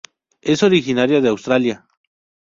Es originaria de Australia.